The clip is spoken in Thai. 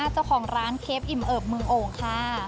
เจ้าของร้านเคฟอิ่มเอิบมือโอ่งค่ะ